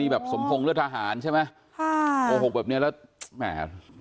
ศพกับสมภงเลือดทหารใช่ไหมอ่าโอโหกแบบเนี้ยแล้วแหม่